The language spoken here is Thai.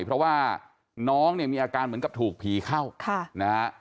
เพราะว่าน้องมีอาการเหมือนกับถูกผีเข้า